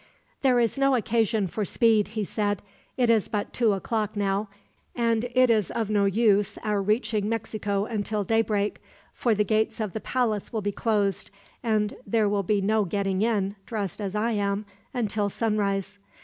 "There is no occasion for speed," he said. "It is but two o'clock now, and it is of no use our reaching Mexico until daybreak; for the gates of the palace will be closed, and there will be no getting in, dressed as I am, until sunrise."